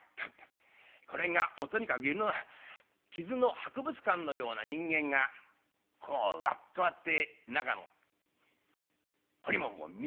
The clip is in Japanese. これがもうとにかく傷の博物館のような人間がこうワッと割って中の彫り物を見せながらやって来た。